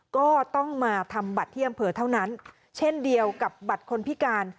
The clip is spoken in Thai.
ก็ต้องมาทำบัตรที่อำเภอเท่านั้นเช่นเดียวกับบัตรคนพิการ